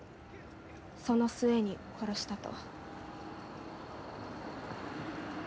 その末に殺したと。